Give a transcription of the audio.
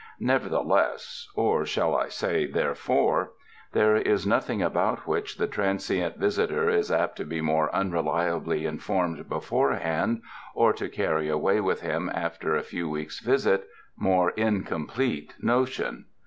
Nevertheless— or, shall I say, therefore — there is nothing about which the transient visitor is apt to be more unreliably informed beforehand, or to carry away with him after a few weeks' visit, more incomplete notions.